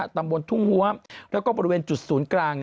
ตำบลทุ่งหัวมแล้วก็บริเวณจุดศูนย์กลาง